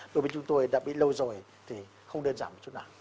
đối với chúng tôi đã bị lâu rồi thì không đơn giản như chút nào